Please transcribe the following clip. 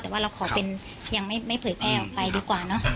แต่ว่าเราขอเป็นยังไม่เผยแพร่ออกไปดีกว่าเนอะ